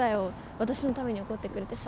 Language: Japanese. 私のために怒ってくれてさ。